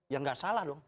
ya nggak salah dong